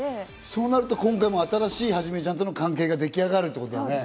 そうなると今回も新しいはじめちゃんとの関係が出来上がるってことだね。